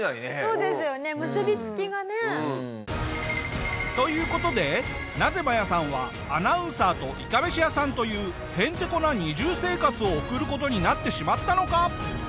そうですよね結び付きがね。という事でなぜマヤさんはアナウンサーといかめし屋さんというヘンテコな二重生活を送る事になってしまったのか？